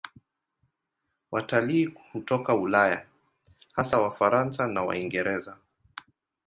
Watalii hutoka Ulaya, hasa Wafaransa na Waingereza.